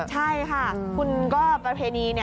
ใช่ค่ะคุณก็ประเพณี